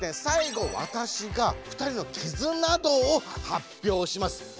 最後わたしが２人のキズナ度を発表します。